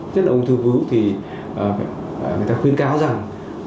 chất động ung thư vú thì người ta khuyến cáo rằng